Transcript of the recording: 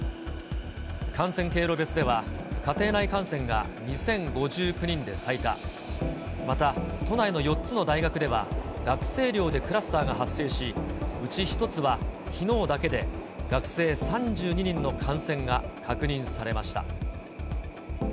感染経路別では、家庭内感染が２０５９人で最多、また都内の４つの大学では、学生寮でクラスターが発生し、うち１つはきのうだけで学生３２人の感染が確認されました。